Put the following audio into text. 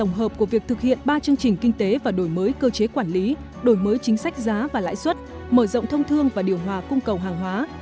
tổng hợp của việc thực hiện ba chương trình kinh tế và đổi mới cơ chế quản lý đổi mới chính sách giá và lãi suất mở rộng thông thương và điều hòa cung cầu hàng hóa